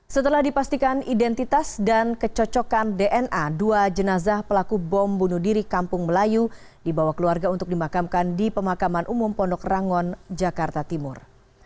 setelah dipastikan identitas dan kecocokan dna dua jenazah pelaku bom bunuh diri kampung melayu dibawa keluarga untuk dimakamkan di pemakaman umum pondok rangon jakarta timur